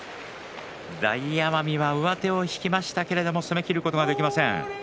大奄美は上手を引きましたけれど攻めきることができません。